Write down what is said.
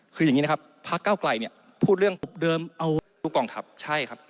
คืออย่างนี้นะครับพักเก้าไกลเนี่ยพูดเรื่องปุ๊บเดิมเอาดูกองทัพใช่ครับ